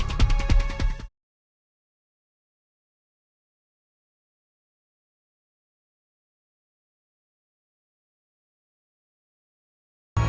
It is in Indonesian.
oni kaget satu orang